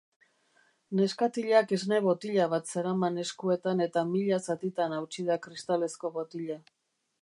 Neskatilak esne botila bat zeraman eskuetan eta mila zatitan hautsi da kristalezko botila.